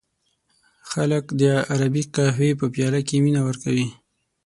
خلک د عربی قهوې په پیاله کې مینه ورکوي.